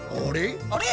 あれ？